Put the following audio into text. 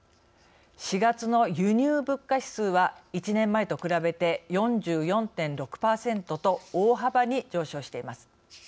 ４月の輸入物価指数は１年前と比べて４４．６％と大幅に上昇しています。